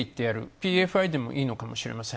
ＰＦＩでもいいのかもしれません。